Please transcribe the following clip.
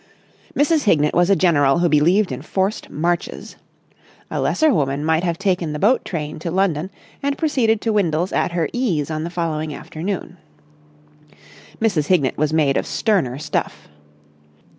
Mrs. Hignett was a general who believed in forced marches. A lesser woman might have taken the boat train to London and proceeded to Windles at her ease on the following afternoon. Mrs. Hignett was made of sterner stuff.